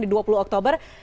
di dua puluh oktober